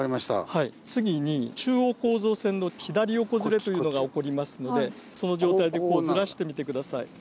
次に中央構造線の左横ずれというのが起こりますのでその状態でこうずらしてみて下さい。